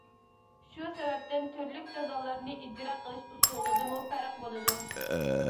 شۇ سەۋەبتىن تۈرلۈك جازالارنى ئىجرا قىلىش ئۇسۇلىدىمۇ پەرق بولىدۇ.